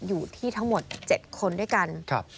อยู่ที่ทั้งหมด๗คนด้วยกัน